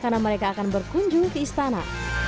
karena mereka akan berkunjung ke istana